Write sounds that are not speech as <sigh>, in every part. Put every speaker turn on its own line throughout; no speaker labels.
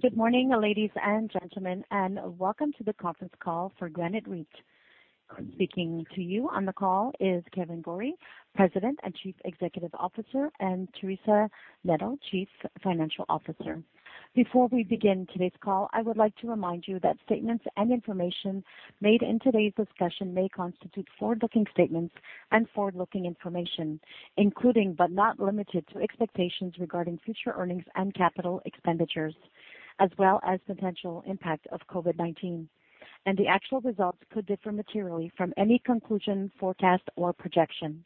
Good morning, ladies and gentlemen, and Welcome to the Conference Call for Granite REIT. Speaking to you on the call is Kevan Gorrie, President and Chief Executive Officer, and Teresa Neto, Chief Financial Officer. Before we begin today's call, I would like to remind you that statements and information made in today's discussion may constitute forward-looking statements and forward-looking information, including but not limited to expectations regarding future earnings and capital expenditures, as well as potential impact of COVID-19. The actual results could differ materially from any conclusion, forecast, or projection.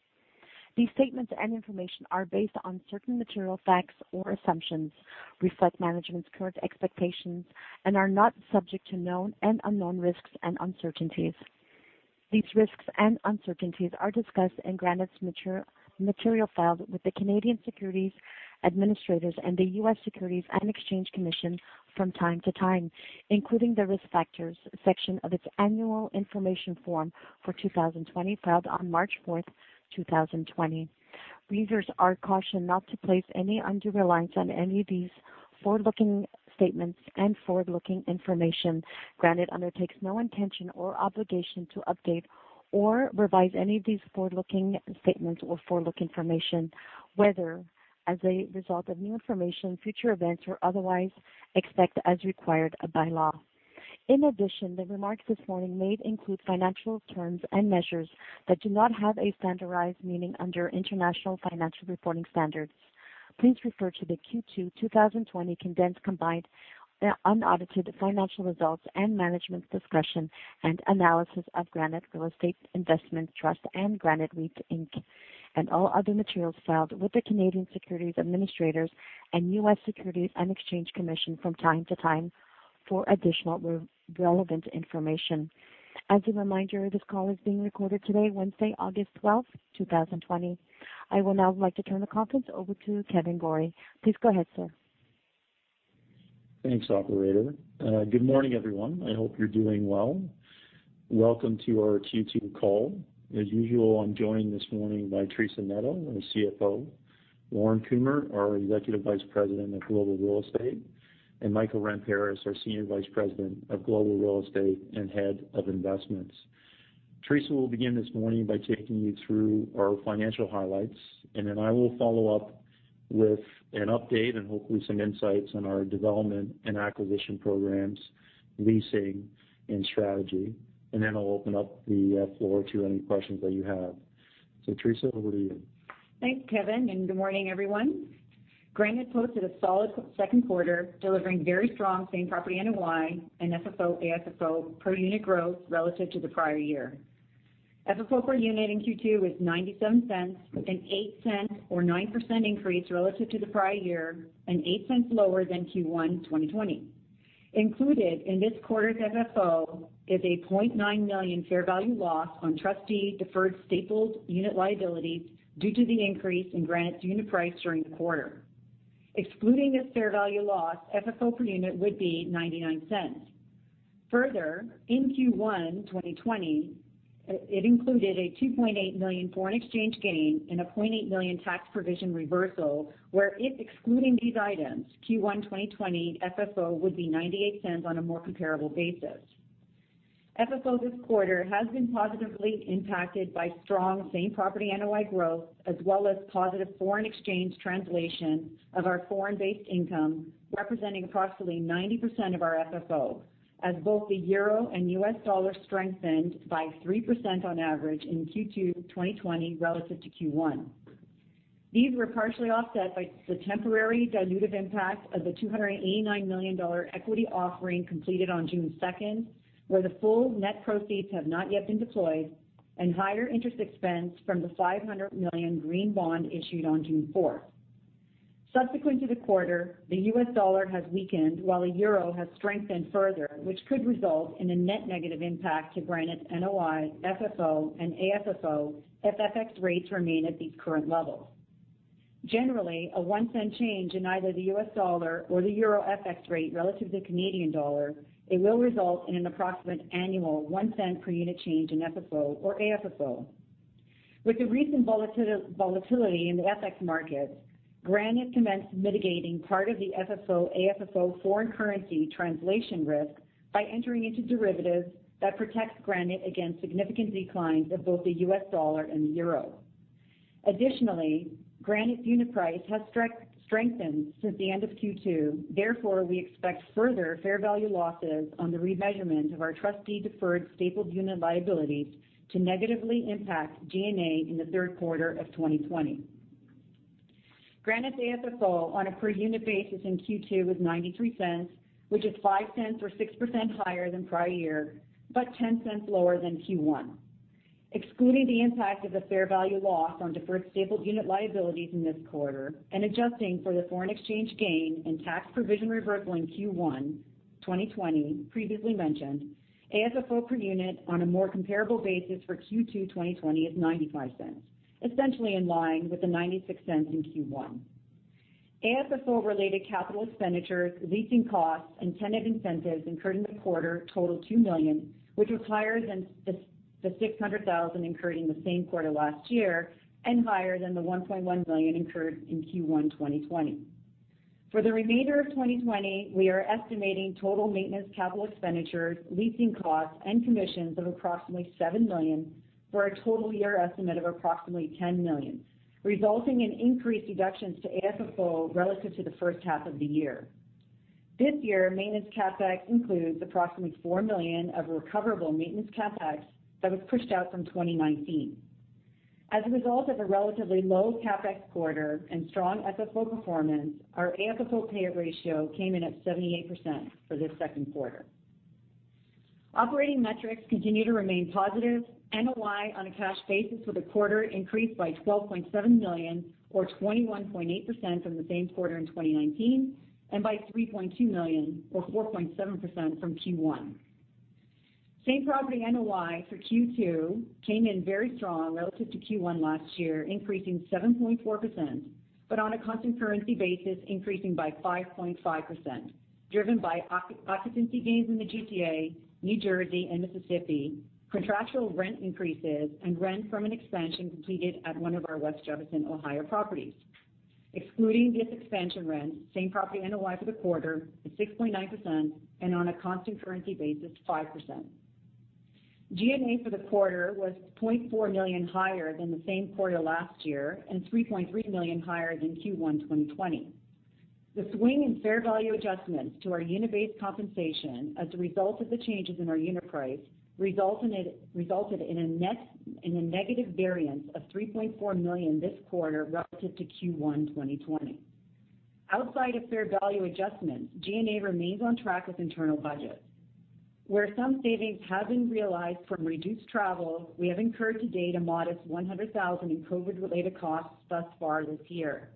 These statements and information are based on certain material facts or assumptions, reflect management's current expectations, and are not subject to known and unknown risks and uncertainties. These risks and uncertainties are discussed in Granite's material filed with the Canadian Securities Administrators and the U.S. Securities and Exchange Commission from time to time, including the Risk Factors section of its annual information form for 2020, filed on March 4th, 2020. Readers are cautioned not to place any undue reliance on any of these forward-looking statements and forward-looking information. Granite undertakes no intention or obligation to update or revise any of these forward-looking statements or forward-looking information, whether as a result of new information, future events, or otherwise, except as required by law. In addition, the remarks this morning may include financial terms and measures that do not have a standardized meaning under International Financial Reporting Standards. Please refer to the Q2 2020 condensed combined unaudited financial results and management's discussion and analysis of Granite Real Estate Investment Trust and Granite REIT Inc., and all other materials filed with the Canadian Securities Administrators and U.S. Securities and Exchange Commission from time to time for additional relevant information. As a reminder, this call is being recorded today, Wednesday, August 12th, 2020. I will now like to turn the conference over to Kevan Gorrie. Please go ahead, sir.
Thanks, Operator. Good morning, everyone. I hope you're doing well. Welcome to our Q2 call. As usual, I'm joined this morning by Teresa Neto, our CFO, Lorne Kumer, our Executive Vice President of Global Real Estate, and Michael Ramparas, our Senior Vice President of Global Real Estate and Head of Investments. Teresa will begin this morning by taking you through our financial highlights, and then I will follow up with an update and hopefully some insights on our development and acquisition programs, leasing, and strategy. I'll open up the floor to any questions that you have. Teresa, over to you.
Thanks, Kevan, good morning, everyone. Granite posted a solid second quarter, delivering very strong same property NOI and FFO, AFFO per unit growth relative to the prior year. FFO per unit in Q2 was 0.97, a 0.08 or 9% increase relative to the prior year and 0.08 lower than Q1 2020. Included in this quarter's FFO is a 0.9 million fair value loss on trustee deferred stapled unit liabilities due to the increase in Granite's unit price during the quarter. Excluding this fair value loss, FFO per unit would be 0.99. In Q1 2020, it included a 2.8 million foreign exchange gain and a 0.8 million tax provision reversal, where if excluding these items, Q1 2020 FFO would be 0.98 on a more comparable basis. FFO this quarter has been positively impacted by strong same property NOI growth, as well as positive foreign exchange translation of our foreign-based income, representing approximately 90% of our FFO, as both the Euro and U.S. dollar strengthened by 3% on average in Q2 2020 relative to Q1. These were partially offset by the temporary dilutive impact of the 289 million dollar equity offering completed on June 2nd, where the full net proceeds have not yet been deployed, and higher interest expense from the 500 million green bond issued on June 4th. Subsequent to the quarter, the U.S. dollar has weakened while the euro has strengthened further, which could result in a net negative impact to Granite's NOI, FFO, and AFFO if FX rates remain at these current levels. Generally, a 0.01 change in either the U.S. dollar or the Euro FX rate relative to the Canadian dollar, it will result in an approximate annual 0.01 per unit change in FFO or AFFO. With the recent volatility in the FX markets, Granite commenced mitigating part of the FFO, AFFO foreign currency translation risk by entering into derivatives that protects Granite against significant declines of both the U.S. dollar and the euro. Additionally, Granite's unit price has strengthened since the end of Q2. Therefore, we expect further fair value losses on the remeasurement of our trustee deferred stapled unit liabilities to negatively impact G&A in the third quarter of 2020. Granite's AFFO on a per unit basis in Q2 was 0.93, which is 0.05 or 6% higher than prior year, but 0.10 lower than Q1. Excluding the impact of the fair value loss on deferred stapled unit liabilities in this quarter and adjusting for the foreign exchange gain and tax provision reversal in Q1 2020 previously mentioned, AFFO per unit on a more comparable basis for Q2 2020 is 0.95, essentially in line with the 0.96 in Q1. AFFO related capital expenditures, leasing costs, and tenant incentives incurred in the quarter totaled 2 million, which was higher than the 600,000 incurred in the same quarter last year and higher than the 1.1 million incurred in Q1 2020. For the remainder of 2020, we are estimating total maintenance capital expenditures, leasing costs, and commissions of approximately 7 million for a total year estimate of approximately 10 million, resulting in increased deductions to AFFO relative to the first half of the year. This year, maintenance CapEx includes approximately 4 million of recoverable maintenance CapEx that was pushed out from 2019. As a result of a relatively low CapEx quarter and strong FFO performance, our AFFO payout ratio came in at 78% for this second quarter. Operating metrics continue to remain positive. NOI on a cash basis for the quarter increased by 12.7 million, or 21.8% from the same quarter in 2019, and by 3.2 million, or 4.7% from Q1. Same property NOI for Q2 came in very strong relative to Q1 last year, increasing 7.4%, but on a constant currency basis increasing by 5.5%, driven by occupancy gains in the GTA, New Jersey, and Mississippi, contractual rent increases, and rent from an expansion completed at one of our West Jefferson, Ohio properties. Excluding this expansion rent, same property NOI for the quarter is 6.9%, and on a constant currency basis, 5%. G&A for the quarter was 0.4 million higher than the same quarter last year and 3.3 million higher than Q1 2020. The swing in fair value adjustments to our unit-based compensation as a result of the changes in our unit price resulted in a negative variance of 3.4 million this quarter relative to Q1 2020. Outside of fair value adjustments, G&A remains on track with internal budgets. Where some savings have been realized from reduced travel, we have incurred to date a modest 100,000 in COVID-related costs thus far this year.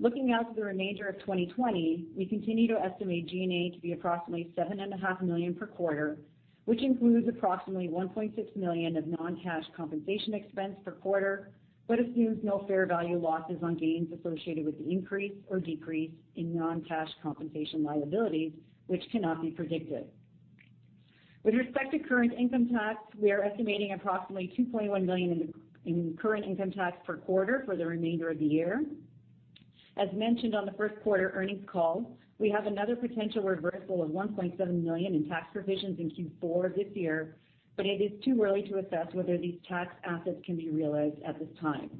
Looking out to the remainder of 2020, we continue to estimate G&A to be approximately 7.5 million per quarter, which includes approximately 1.6 million of non-cash compensation expense per quarter, but assumes no fair value losses on gains associated with the increase or decrease in non-cash compensation liabilities, which cannot be predicted. With respect to current income tax, we are estimating approximately 2.1 million in current income tax per quarter for the remainder of the year. As mentioned on the first quarter earnings call, we have another potential reversal of 1.7 million in tax provisions in Q4 of this year. It is too early to assess whether these tax assets can be realized at this time.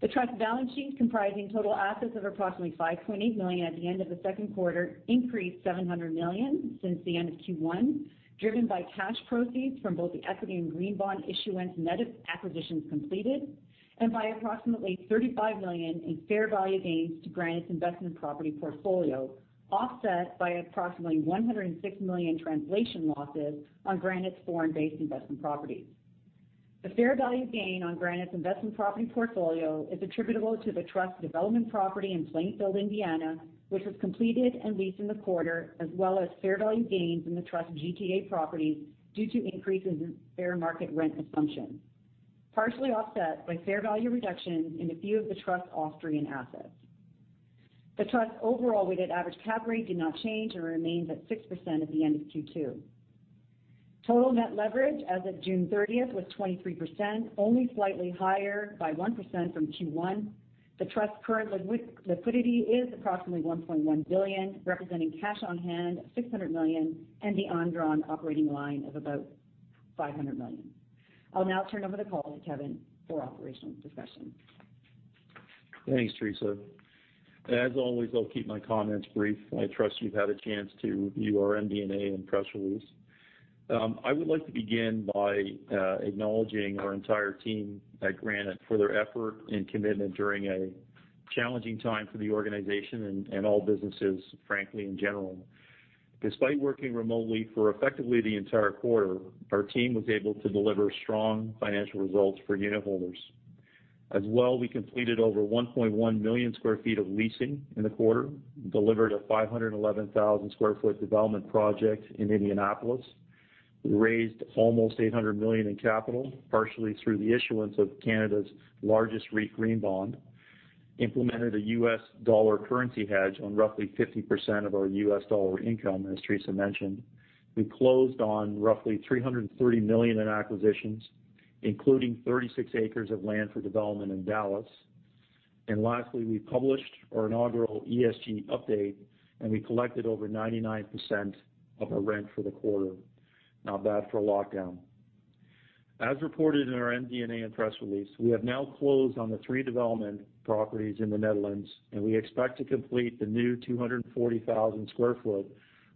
The Trust balance sheet comprising total assets of approximately 5.8 million at the end of the second quarter increased 700 million since the end of Q1, driven by cash proceeds from both the equity and green bond issuance net of acquisitions completed and by approximately 35 million in fair value gains to Granite's investment property portfolio, offset by approximately 106 million translation losses on Granite's foreign-based investment properties. The fair value gain on Granite's investment property portfolio is attributable to the Trust's development property in Plainfield, Indiana, which was completed and leased in the quarter, as well as fair value gains in the Trust's GTA properties due to increases in fair market rent assumptions, partially offset by fair value reductions in a few of the Trust's Austrian assets. The Trust's overall weighted average cap rate did not change and remains at 6% at the end of Q2. Total net leverage as of June 30th was 23%, only slightly higher by 1% from Q1. The Trust's current liquidity is approximately 1.1 billion, representing cash on hand of 600 million and the undrawn operating line of about 500 million. I'll now turn over the call to Kevan for operational discussion.
Thanks, Teresa. As always, I'll keep my comments brief. I trust you've had a chance to review our MD&A and press release. I would like to begin by acknowledging our entire team at Granite for their effort and commitment during a challenging time for the organization and all businesses, frankly, in general. Despite working remotely for effectively the entire quarter, our team was able to deliver strong financial results for unitholders. We completed over 1.1 million sq ft of leasing in the quarter, delivered a 511,000 sq ft development project in Indianapolis. We raised almost 800 million in capital, partially through the issuance of Canada's largest REIT green bond, implemented a U.S. dollar currency hedge on roughly 50% of our U.S. dollar income, as Teresa mentioned. We closed on roughly 330 million in acquisitions, including 36 acres of land for development in Dallas. Lastly, we published our inaugural ESG update, and we collected over 99% of our rent for the quarter. Not bad for a lockdown. As reported in our MD&A and press release, we have now closed on the three development properties in the Netherlands, and we expect to complete the new 240,000 sq ft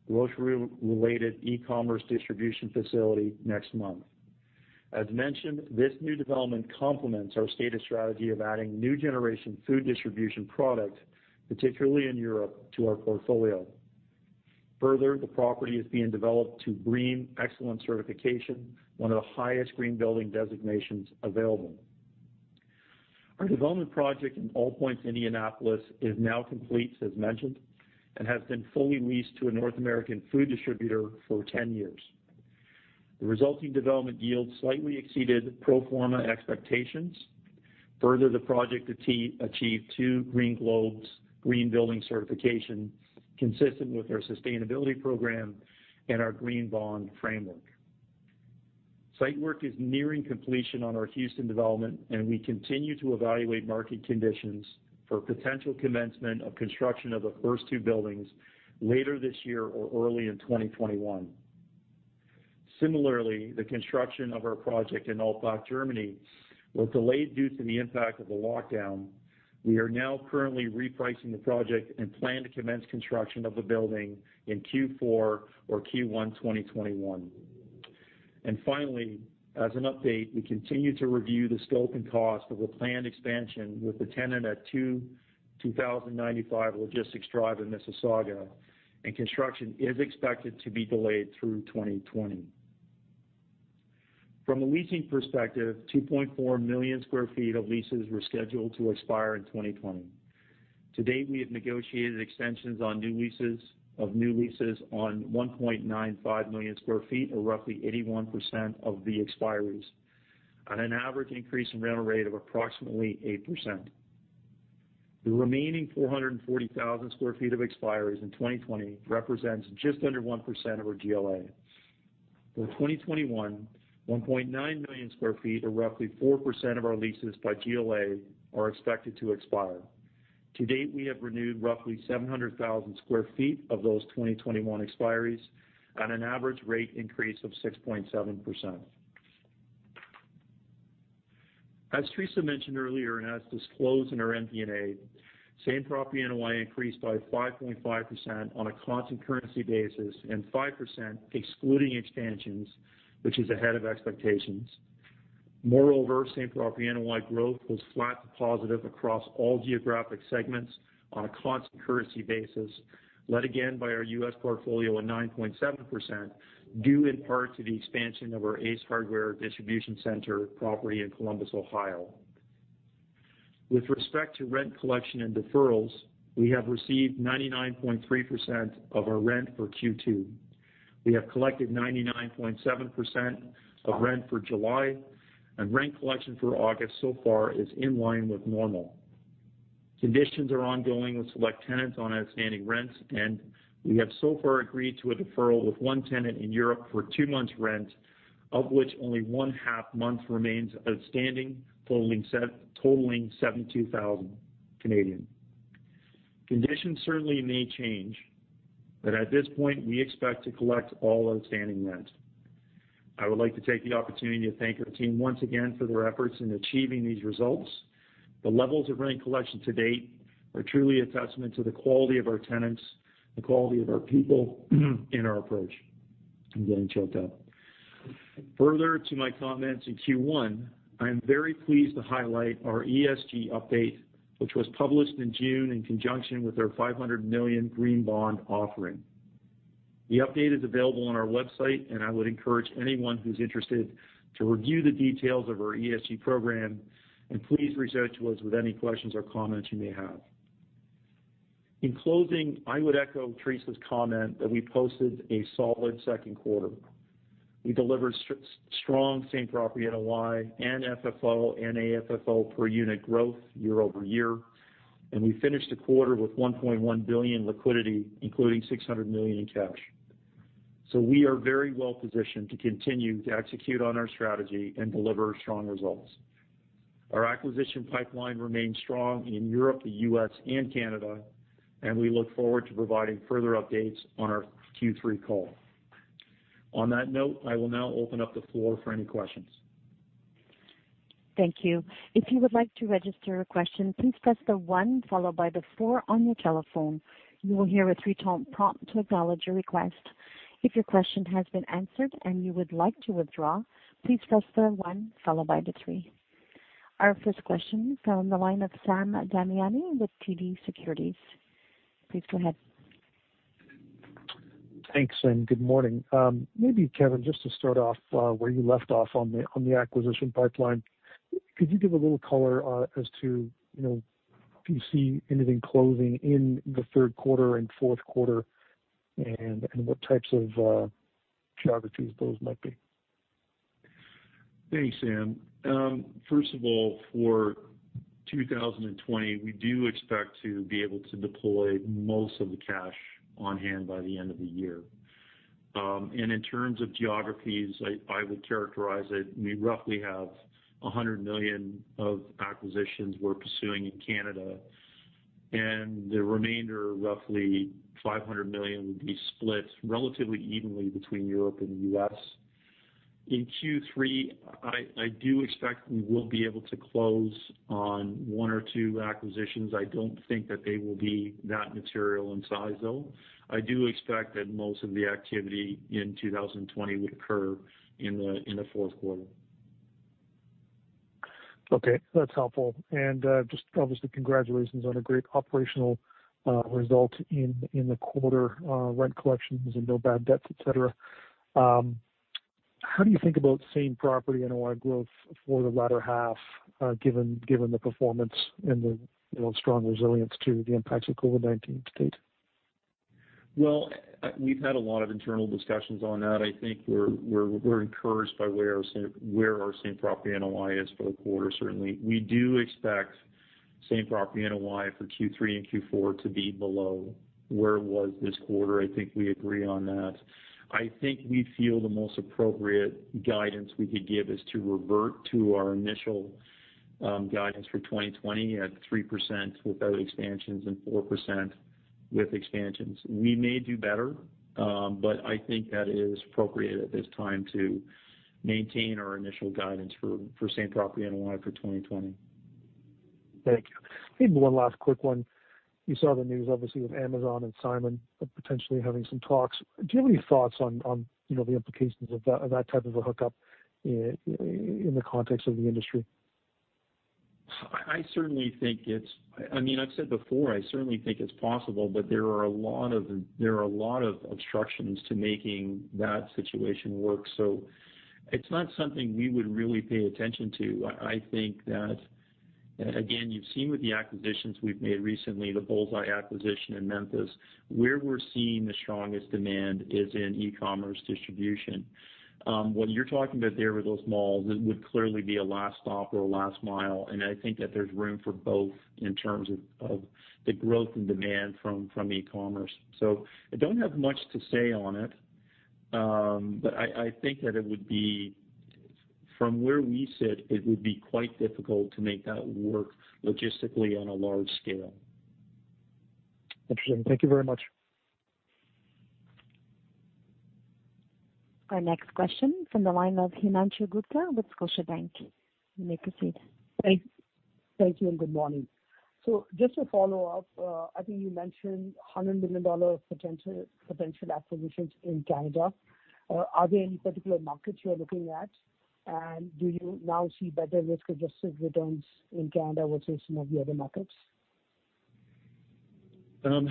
grocery-related e-commerce distribution facility next month. As mentioned, this new development complements our stated strategy of adding new generation food distribution product, particularly in Europe, to our portfolio. Further, the property is being developed to BREEAM Excellent certification, one of the highest green building designations available. Our development project in AllPoints Indianapolis is now complete, as mentioned, and has been fully leased to a North American food distributor for 10 years. The resulting development yield slightly exceeded pro forma expectations. Further, the project achieved two Green Globes green building certification consistent with our sustainability program and our green bond framework. Site work is nearing completion on our Houston development, and we continue to evaluate market conditions for potential commencement of construction of the first two buildings later this year or early in 2021. Similarly, the construction of our project in Altdorf, Germany, was delayed due to the impact of the lockdown. We are now currently repricing the project and plan to commence construction of the building in Q4 or Q1 2021. Finally, as an update, we continue to review the scope and cost of a planned expansion with the tenant at 2095 Logistics Drive in Mississauga, and construction is expected to be delayed through 2020. From a leasing perspective, 2.4 million square feet of leases were scheduled to expire in 2020. To date, we have negotiated extensions of new leases on 1.95 million square feet, or roughly 81% of the expiries, on an average increase in rental rate of approximately 8%. The remaining 440,000 sq ft of expiries in 2020 represents just under 1% of our GLA. For 2021, 1.9 million square feet, or roughly 4% of our leases by GLA, are expected to expire. To date, we have renewed roughly 700,000 sq ft of those 2021 expiries at an average rate increase of 6.7%. As Teresa mentioned earlier and as disclosed in our MD&A, Same Property NOI increased by 5.5% on a constant currency basis and 5% excluding expansions, which is ahead of expectations. Moreover, same property NOI growth was flat to positive across all geographic segments on a constant currency basis, led again by our U.S. portfolio of 9.7%, due in part to the expansion of our Ace Hardware distribution center property in Columbus, Ohio. With respect to rent collection and deferrals, we have received 99.3% of our rent for Q2. We have collected 99.7% of rent for July, and rent collection for August so far is in line with normal. Conditions are ongoing with select tenants on outstanding rents, and we have so far agreed to a deferral with one tenant in Europe for two months' rent, of which only 1.5 month remains outstanding, totaling 72,000. Conditions certainly may change, but at this point, we expect to collect all outstanding rent. I would like to take the opportunity to thank our team once again for their efforts in achieving these results. The levels of rent collection to date are truly a testament to the quality of our tenants, the quality of our people and our approach. I'm getting choked up. Further to my comments in Q1, I am very pleased to highlight our ESG update, which was published in June in conjunction with our 500 million green bond offering. The update is available on our website, and I would encourage anyone who's interested to review the details of our ESG program, and please reach out to us with any questions or comments you may have. In closing, I would echo Teresa's comment that we posted a solid second quarter. We delivered strong same property NOI and FFO and AFFO per unit growth year-over-year, and we finished the quarter with 1.1 billion liquidity, including 600 million in cash. We are very well positioned to continue to execute on our strategy and deliver strong results. Our acquisition pipeline remains strong in Europe, the U.S., and Canada, and we look forward to providing further updates on our Q3 call. On that note, I will now open up the floor for any questions.
Thank you. If you would like to register a question, please press the one followed by the four on your telephone. You will hear a <inaudible> tone prompt to <inaudible> your request. If your question has been answered and you would like to withdraw, please press the one followed by the three. Our first question is on the line of Sam Damiani with TD Securities. Please go ahead.
Thanks. Good morning. Maybe, Kevan, just to start off where you left off on the acquisition pipeline. Could you give a little color as to, do you see anything closing in the third quarter and fourth quarter, and what types of geographies those might be?
Thanks, Sam. First of all, for 2020, we do expect to be able to deploy most of the cash on hand by the end of the year. And in terms of geographies, I would characterize it, we roughly have 100 million of acquisitions we're pursuing in Canada, and the remainder, roughly 500 million, would be split relatively evenly between Europe and the U.S. In Q3, I do expect we will be able to close on one or two acquisitions. I don't think that they will be that material in size, though. I do expect that most of the activity in 2020 would occur in the fourth quarter.
Okay, that's helpful. Just obviously, congratulations on a great operational result in the quarter. Rent collections and no bad debts, et cetera. How do you think about Same-Property NOI growth for the latter half, given the performance and the strong resilience to the impacts of COVID-19 to date?
Well, we've had a lot of internal discussions on that. I think we're encouraged by where our same-property NOI is for the quarter, certainly. We do expect same-property NOI for Q3 and Q4 to be below where it was this quarter. I think we agree on that. I think we feel the most appropriate guidance we could give is to revert to our initial guidance for 2020 at 3% without expansions and 4% with expansions. We may do better, but I think that it is appropriate at this time to maintain our initial guidance for same-property NOI for 2020.
Thank you. Maybe one last quick one. You saw the news, obviously, with Amazon and Simon potentially having some talks. Do you have any thoughts on the implications of that type of a hookup in the context of the industry?
I certainly think it's possible, but there are a lot of obstructions to making that situation work. It's not something we would really pay attention to. I think that, again, you've seen with the acquisitions we've made recently, the Bullseye acquisition in Memphis, where we're seeing the strongest demand is in e-commerce distribution. What you're talking about there with those malls, it would clearly be a last stop or a last mile, and I think that there's room for both in terms of the growth and demand from e-commerce. So, I don't have much to say on it. I think that from where we sit, it would be quite difficult to make that work logistically on a large scale.
Interesting. Thank you very much.
Our next question from the line of Himanshu Gupta with Scotiabank. You may proceed.
Thank you. Good morning. Just to follow up, I think you mentioned 100 million dollar potential acquisitions in Canada. Are there any particular markets you're looking at? Do you now see better risk-adjusted returns in Canada versus some of the other markets?
No.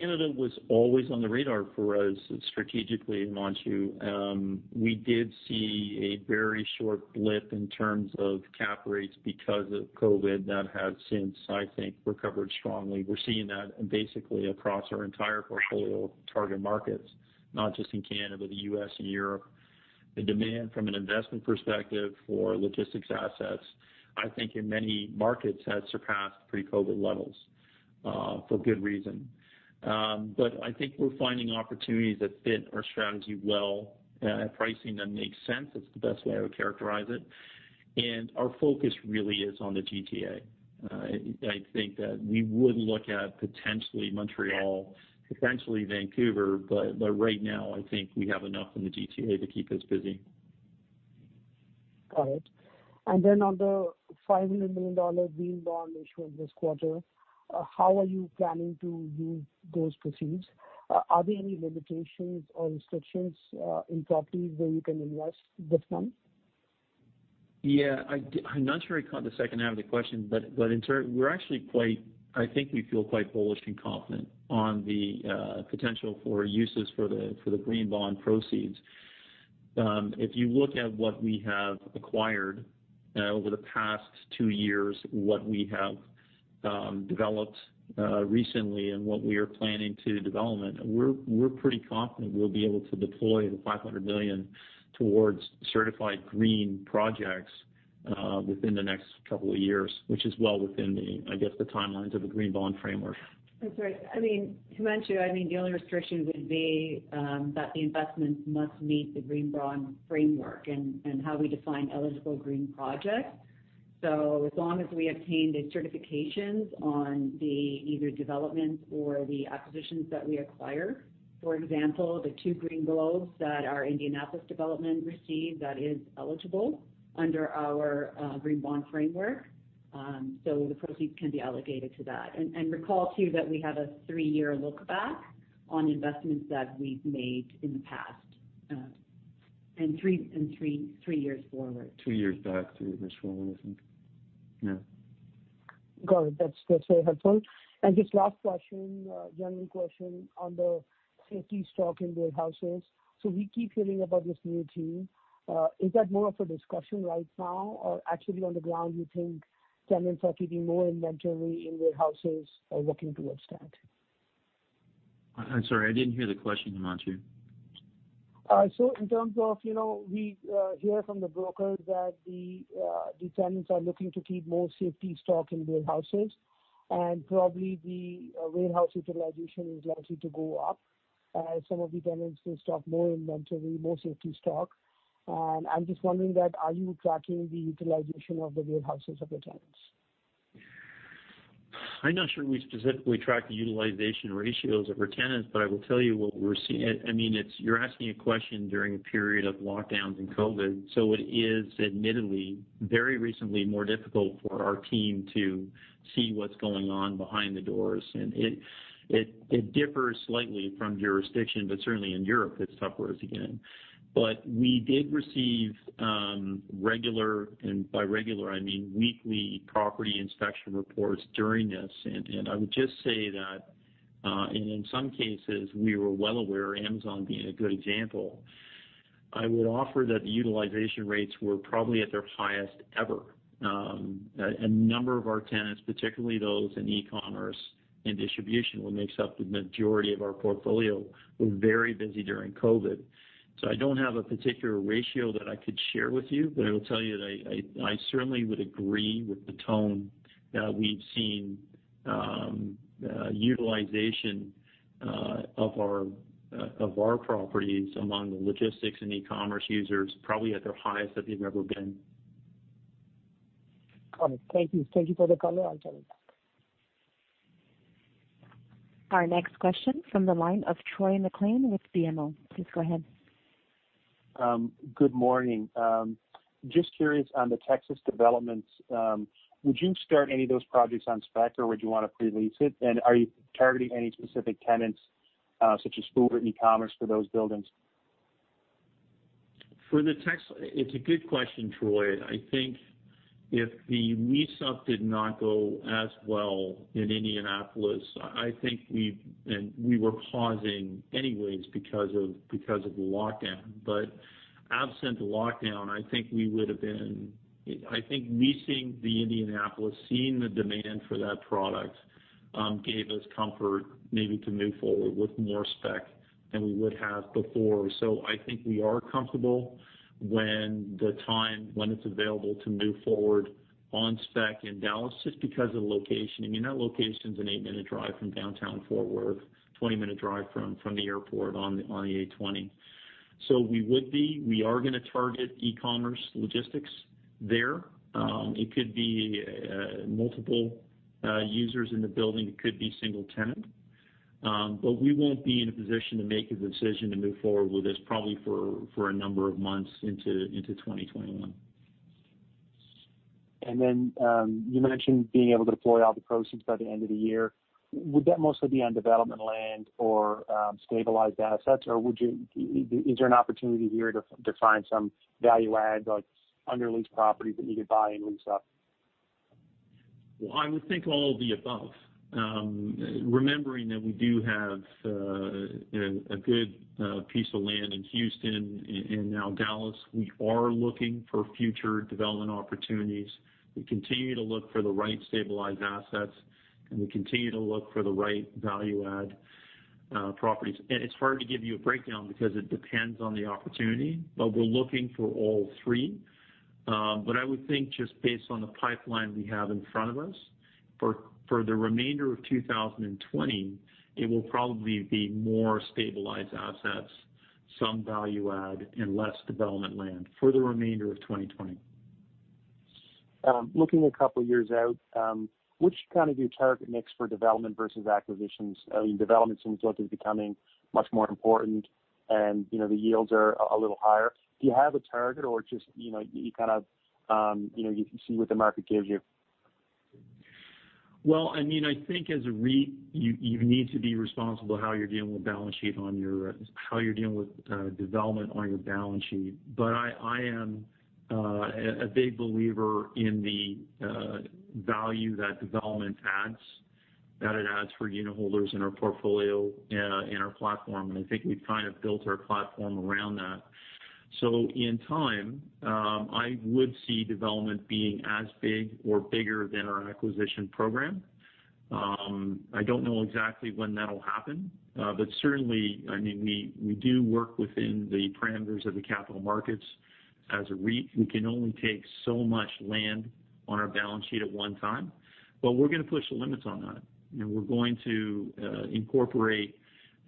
Canada was always on the radar for us strategically, Himanshu. We did see a very short blip in terms of cap rates because of COVID that has since, I think, recovered strongly. We're seeing that basically across our entire portfolio of target markets, not just in Canada, but the U.S. and Europe. The demand from an investment perspective for logistics assets, I think in many markets has surpassed pre-COVID levels, for good reason. But I think we're finding opportunities that fit our strategy well, pricing that makes sense. That's the best way I would characterize it. And our focus really is on the GTA. I think that we would look at potentially Montreal, potentially Vancouver, right now, I think we have enough in the GTA to keep us busy.
Got it. Then on the 500 million dollar green bond issued this quarter, how are you planning to use those proceeds? Are there any limitations or restrictions in properties where you can invest this money?
Yeah. I'm not sure I caught the second half of the question. We're actually, I think we feel quite bullish and confident on the potential for uses for the green bond proceeds. If you look at what we have acquired over the past two years, what we have developed recently, and what we are planning to develop, we're pretty confident we'll be able to deploy the 500 million towards certified green projects within the next couple of years, which is well within the timelines of the green bond framework.
That is right. Himanshu, I think the only restriction would be that the investments must meet the green bond framework and how we define eligible green projects. As long as we obtain the certifications on the either developments or the acquisitions that we acquire, for example, the two Green Globes that our Indianapolis development received, that is eligible under our green bond framework. So the proceeds can be allocated to that. And recall, too, that we have a three-year look back on investments that we have made in the past and three years forward.
Two years back, three years forward, I think. Yeah.
Got it. That's very helpful. Just last question, a general question on the safety stock in warehouses. We keep hearing about this new theme. Is that more of a discussion right now or actually on the ground, you think tenants are keeping more inventory in warehouses or working towards that?
I'm sorry, I didn't hear the question, Himanshu.
In terms of, we hear from the brokers that the tenants are looking to keep more safety stock in warehouses, and probably the warehouse utilization is likely to go up as some of the tenants will stock more inventory, more safety stock. I'm just wondering that, are you tracking the utilization of the warehouses of the tenants?
I'm not sure we specifically track the utilization ratios of our tenants, but I will tell you what we're seeing. You're asking a question during a period of lockdowns and COVID, so it is admittedly very recently more difficult for our team to see what's going on behind the doors. It differs slightly from jurisdiction, but certainly in Europe, it suffers again. We did receive regular, and by regular, I mean weekly property inspection reports during this. I would just say that, in some cases, we were well aware, Amazon being a good example. I would offer that the utilization rates were probably at their highest ever. A number of our tenants, particularly those in e-commerce and distribution, which makes up the majority of our portfolio, were very busy during COVID. So I don't have a particular ratio that I could share with you, but I will tell you that I certainly would agree with the tone that we've seen utilization of our properties among the logistics and e-commerce users probably at their highest that they've ever been.
Got it. Thank you. Thank you for the color. I'll turn it back.
Our next question from the line of Troy MacLean with BMO. Please go ahead.
Good morning. Just curious on the Texas developments. Would you start any of those projects on spec, or would you want to pre-lease it? Are you targeting any specific tenants, such as food or e-commerce for those buildings?
It's a good question, Troy. I think if the lease up did not go as well in Indianapolis, I think we were pausing anyways because of the lockdown. But absent the lockdown, I think leasing the Indianapolis, seeing the demand for that product, gave us comfort maybe to move forward with more spec than we would have before. So I think we are comfortable when the time, when it's available to move forward on spec in Dallas, just because of the location. You know, that location's an eight-minute drive from downtown Fort Worth, 20-minute drive from the airport on the I-20. So we would be— we are going to target e-commerce logistics there. It could be multiple users in the building, it could be single tenant. We won't be in a position to make a decision to move forward with this probably for a number of months into 2021.
You mentioned being able to deploy all the proceeds by the end of the year. Would that mostly be on development land or stabilized assets, or is there an opportunity here to find some value add, like underleased properties that you could buy and lease up?
Well, I would think all of the above. Remembering that we do have a good piece of land in Houston and now Dallas. We are looking for future development opportunities. We continue to look for the right stabilized assets, and we continue to look for the right value-add properties. It's hard to give you a breakdown because it depends on the opportunity, but we're looking for all three. I would think just based on the pipeline we have in front of us, for the remainder of 2020, it will probably be more stabilized assets, some value add, and less development land for the remainder of 2020.
Looking a couple of years out, what kind of do you target mix for development versus acquisitions? I mean, development seems like it's becoming much more important and the yields are a little higher. Do you have a target or just, you kind of see what the market gives you?
Well, I think as a REIT, you need to be responsible how you're dealing with development on your balance sheet. I am a big believer in the value that development adds, that it adds for unitholders in our portfolio, in our platform. I think we've kind of built our platform around that. In time, I would see development being as big or bigger than our acquisition program. I don't know exactly when that'll happen. Certainly, we do work within the parameters of the capital markets. As a REIT, we can only take so much land on our balance sheet at one time. We're going to push the limits on that, and we're going to incorporate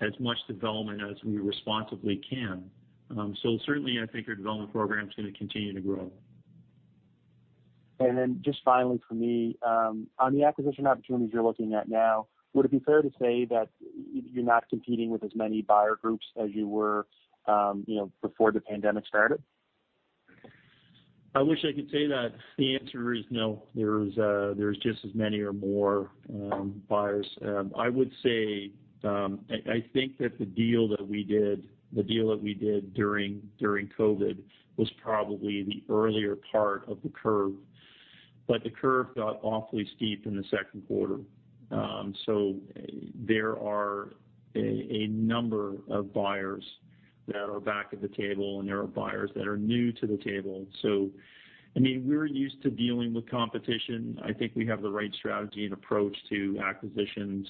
as much development as we responsibly can. Certainly, I think our development program is going to continue to grow.
Then just finally from me, on the acquisition opportunities you're looking at now, would it be fair to say that you're not competing with as many buyer groups as you were before the pandemic started?
I wish I could say that. The answer is no. There's just as many or more buyers. I would say, I think that the deal that we did during COVID was probably the earlier part of the curve. The curve got awfully steep in the second quarter. There are a number of buyers that are back at the table, and there are buyers that are new to the table. We're used to dealing with competition. I think we have the right strategy and approach to acquisitions.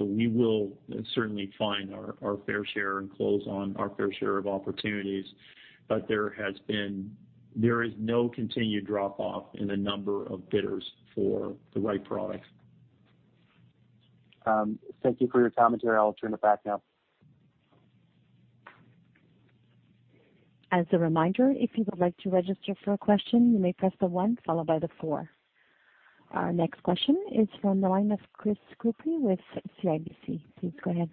We will certainly find our fair share and close on our fair share of opportunities. There is no continued drop off in the number of bidders for the right product.
Thank you for your commentary. I will turn it back now.
Our next question is from the line of Chris Couprie with CIBC. Please go ahead.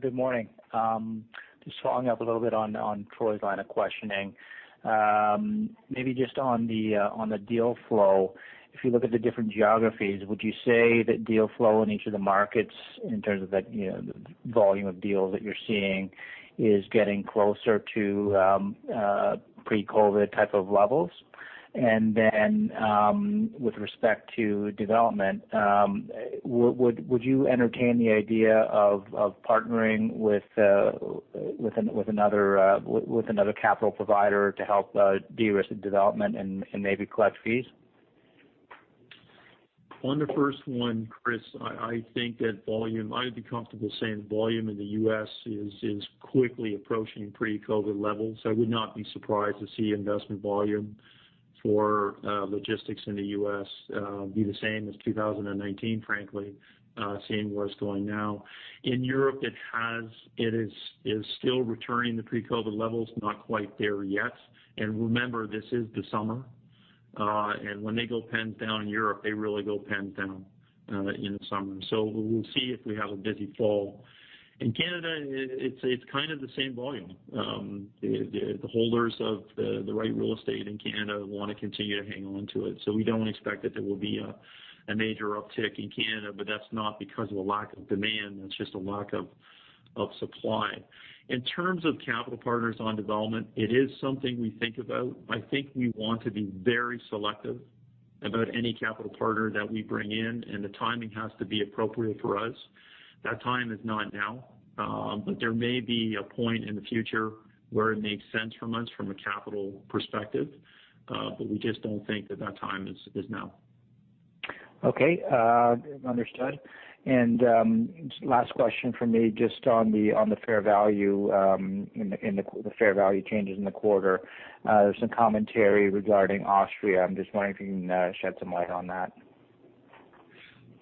Good morning. Just following up a little bit on Troy's line of questioning. Maybe just on the deal flow, if you look at the different geographies, would you say that deal flow in each of the markets in terms of the volume of deals that you're seeing is getting closer to pre-COVID type of levels? With respect to development, would you entertain the idea of partnering with another capital provider to help de-risk the development and maybe collect fees?
On the first one, Chris, I'd be comfortable saying volume in the U.S. is quickly approaching pre-COVID levels. I would not be surprised to see investment volume for logistics in the U.S. be the same as 2019, frankly, seeing what's going now. In Europe, it is still returning to pre-COVID levels, not quite there yet. Remember, this is the summer, and when they go pens down in Europe, they really go pens down in the summer. We will see if we have a busy fall. In Canada, it's kind of the same volume. The holders of the right real estate in Canada want to continue to hang on to it. We don't expect that there will be a major uptick in Canada. That's not because of a lack of demand, that's just a lack of supply. In terms of capital partners on development, it is something we think about. I think we want to be very selective about any capital partner that we bring in, and the timing has to be appropriate for us. That time is not now. There may be a point in the future where it makes sense for us from a capital perspective. We just don't think that that time is now.
Okay. Understood. Last question from me, just on the fair value changes in the quarter. There's some commentary regarding Austria. I'm just wondering if you can shed some light on that.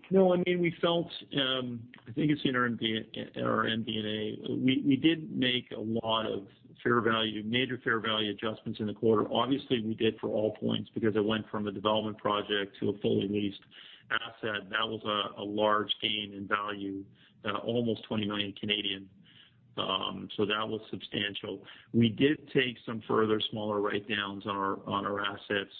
No, I mean, we felt, I think it's in our MD&A. We did make a lot of major fair value adjustments in the quarter. Obviously, we did for AllPoints because it went from a development project to a fully leased asset. That was a large gain in value, almost 20 million, so that was substantial. We did take some further smaller write-downs on our assets,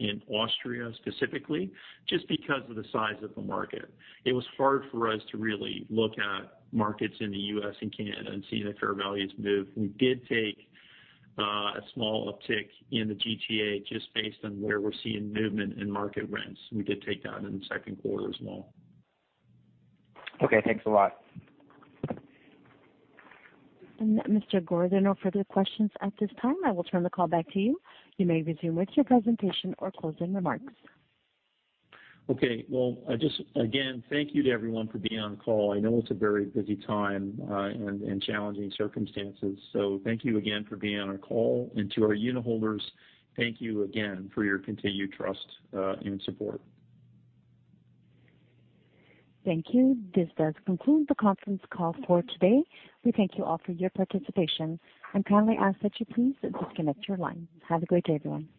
in Austria, specifically, just because of the size of the market. It was hard for us to really look at markets in the U.S. and Canada and see the fair values move. We did take a small uptick in the GTA just based on where we're seeing movement in market rents. We did take that in the second quarter as well.
Okay, thanks a lot.
Mr. Gorrie, no further questions at this time. I will turn the call back to you. You may resume with your presentation or closing remarks.
Okay, well, just again, thank you to everyone for being on the call. I know it's a very busy time, and challenging circumstances. Thank you again for being on our call. To our unitholders, thank you again for your continued trust and support.
Thank you. This does conclude the conference call for today. We thank you all for your participation, and kindly ask that you please disconnect your line. Have a great day, everyone.